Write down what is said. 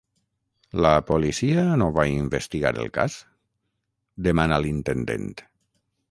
La policia no va investigar el cas? —demana l'intendent.